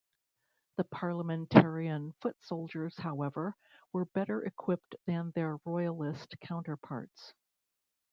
The Parliamentarian foot soldiers however, were better equipped than their Royalist counterparts.